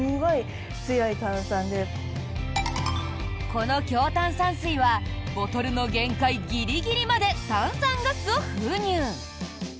この強炭酸水はボトルの限界ギリギリまで炭酸ガスを封入。